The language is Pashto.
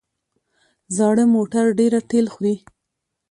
زاړه موټر ډېره تېل خوري.